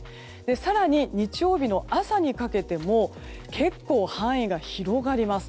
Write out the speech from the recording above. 更に日曜日の朝にかけても結構、範囲が広がります。